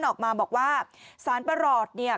กินให้ดูเลยค่ะว่ามันปลอดภัย